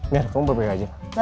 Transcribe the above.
biar kamu baik baik aja